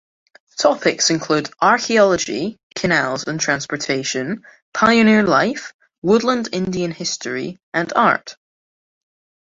Topics include archaeology, canals and transportation, pioneer life, Woodland Indian history, and art.